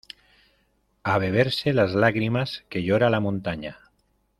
A beberse las lágrimas que llora la montaña.